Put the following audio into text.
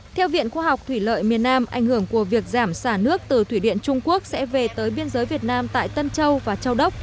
theo viện khoa học thủy lợi miền nam ảnh hưởng của việc giảm xả nước từ thủy điện trung quốc sẽ về tới biên giới việt nam tại tân châu và châu đốc